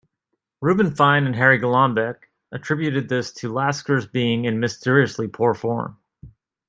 Reuben Fine and Harry Golombek attributed this to Lasker's being in mysteriously poor form.